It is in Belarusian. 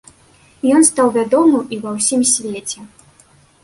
Ён стаў вядомым і ва ўсім свеце.